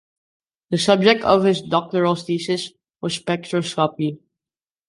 The subject of his doctoral thesis was spectroscopy.